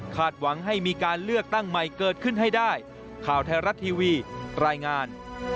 หวังให้มีการเลือกตั้งใหม่เกิดขึ้นให้ได้ข่าวไทยรัฐทีวีรายงาน